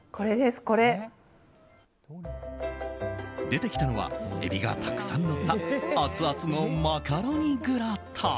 出てきたのはエビがたくさんのったアツアツのマカロニグラタン。